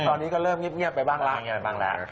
ตอนนี้ก็เริ่มเงียบไปบ้างแล้ว